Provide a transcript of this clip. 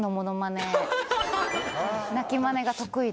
鳴きマネが得意で。